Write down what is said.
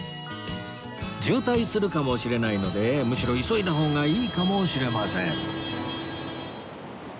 渋滞するかもしれないのでむしろ急いだ方がいいかもしれません